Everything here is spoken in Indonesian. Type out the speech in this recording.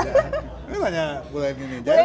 ini tanya bulemini